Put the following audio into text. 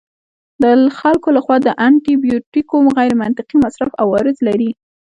د خلکو لخوا د انټي بیوټیکو غیرمنطقي مصرف عوارض لري.